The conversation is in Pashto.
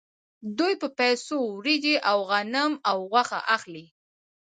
دوی په پیسو وریجې او غنم او غوښه اخلي